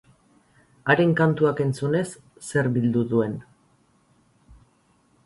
Haren kantuak entzunez, zer bildu duen.